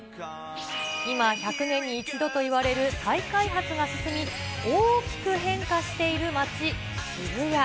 今、１００年に一度といわれる再開発が進み、大きく変化している街、渋谷。